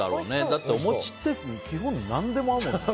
だって、お餅って基本、何でも合うもんね。